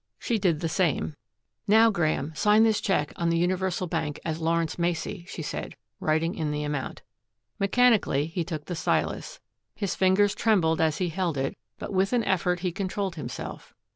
She did the same. "Now, Graeme, sign this cheek on the Universal Bank as Lawrence Macey," she said, writing in the amount. Mechanically he took the stylus. His fingers trembled as he held it, but with an effort he controlled himself.